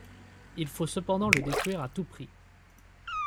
Il faut cependant le détruire à tout prix.